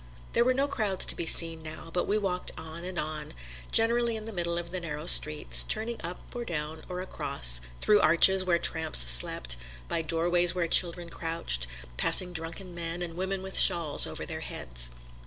There were no crowds to be seen now, but we walked on and on generally in the middle of the narrow streets, turning up or down or across, through arches where tramps slept, by doorways where children crouched; passing drunken men, and women with shawls over their heads.